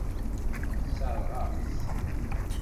Sseṛɣeɣ-as-t.